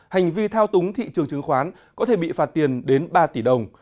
hành vi thao túng thị trường chứng khoán có thể bị phạt tiền đến ba tỷ đồng